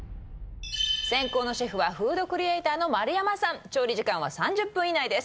先攻のシェフはフードクリエイターの丸山さん調理時間は３０分以内です